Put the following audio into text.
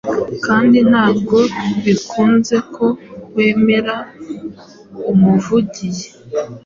kandi ntabwo bikunze ko wemera umuvugizi